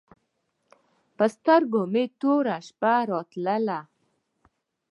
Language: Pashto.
پر سترګو مې توره شپه راتله.